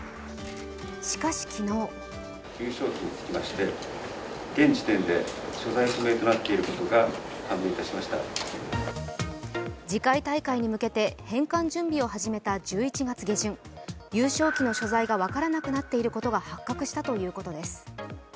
しかし昨日次回大会に向けて返還準備を始めた１１月初旬、優勝旗の所在が分からなくなっていることが発覚したということです。